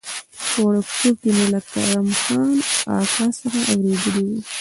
په وړکتوب کې مې له کرم خان اکا څخه اورېدلي و.